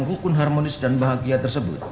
hukum harmonis dan bahagia tersebut